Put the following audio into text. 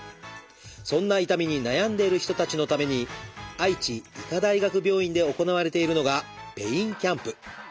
そんな痛みに悩んでいる人たちのために愛知医科大学病院で行われているのがペインキャンプ。